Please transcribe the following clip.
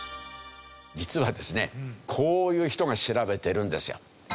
実はですねこういう人が調べてるんですよ。